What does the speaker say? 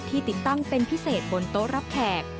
ติดตั้งเป็นพิเศษบนโต๊ะรับแขก